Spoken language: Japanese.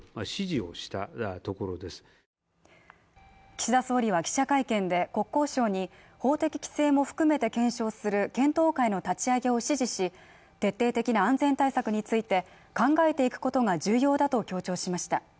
岸田総理は記者会見で、国交省に法的規制も含めて検証する検討会の立ち上げを指示し徹底的な安全対策について考えていくことが重要だと強調しました。